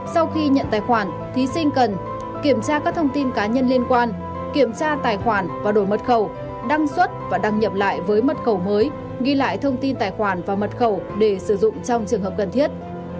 sau khi nhận tài khoản thí sinh cần kiểm tra các thông tin cá nhân liên quan kiểm tra tài khoản và đổi mật khẩu đăng xuất và đăng nhập lại với mật khẩu mới ghi lại thông tin tài khoản và mật khẩu để sử dụng trong trường hợp cần thiết